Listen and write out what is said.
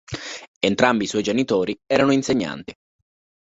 Entrambi i suoi genitori erano insegnanti.